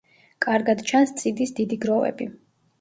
კარგად ჩანს წიდის დიდი გროვები.